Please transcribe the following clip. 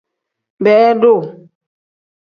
Beeduu.